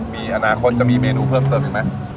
มีอนาคตจะมีเมนูเพิ่มเติมอีกไหม